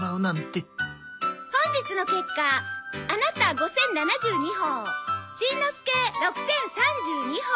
本日の結果アナタ５０７２歩しんのすけ６０３２歩。